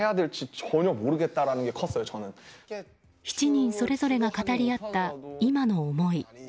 ７人それぞれが語り合った今の思い。